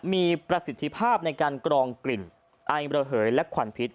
มีประสิทธิภาพในการกรองกลิ่นไอระเหยและควันพิษ